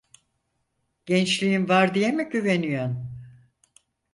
Gençliğin var diye mi güveniyon?